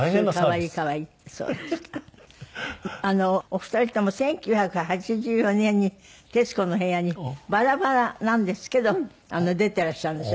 お二人とも１９８４年に『徹子の部屋』にバラバラなんですけど出ていらっしゃるんですよ